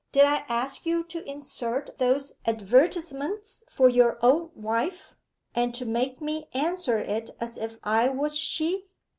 did I ask you to insert those advertisements for your old wife, and to make me answer it as if I was she?